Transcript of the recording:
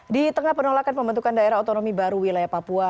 di tengah penolakan pembentukan daerah otonomi baru wilayah papua